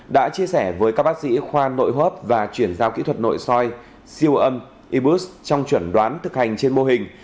đã chia sẻ với các bác sĩ khoa nội hô hấp và chuyển giao kỹ thuật nội soi siêu âm ibus trong chuẩn đoán thực hành trên mô hình